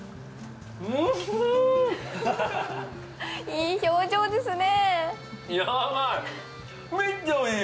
いい表情ですね。